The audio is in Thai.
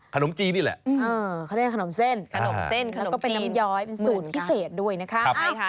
ขนมจีนนี่แหละอืมคือขนมเส้นแล้วก็เป็นน้ำย้อยสูตรพิเศษด้วยนะคะ